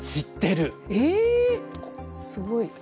すごい。